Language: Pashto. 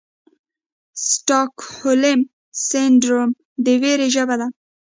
سټاکهولم سنډروم د ویرې ژبه ده.